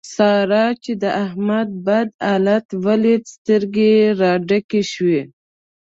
سارا چې د احمد بد حالت وليد؛ سترګې يې را ډکې شوې.